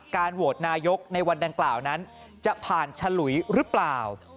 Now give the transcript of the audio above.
โหวตนายกในวันดังกล่าวนั้นจะผ่านฉลุยหรือเปล่า